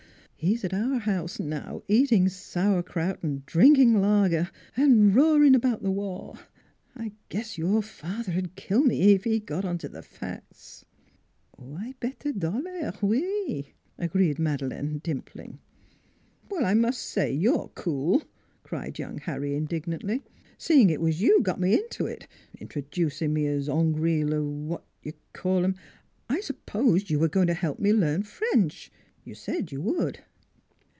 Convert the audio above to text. He's at our house now, eating sauer i 9 4 NEIGHBORS kraut an' drinking lager an' roaring about the war. I guess your father 'd kill me if he got on to the facts." " I bet a dollaire oui" agreed Madeleine, dimpling. " Well, I must say, you're cool! " cried young Harry indignantly. " Seeing it was you got me into it introducing me as Ong ree Le what you call 'em. ... I supposed you were going to help me learn French. You said you would."